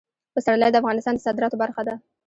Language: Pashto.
پسرلی د افغانستان د صادراتو برخه ده.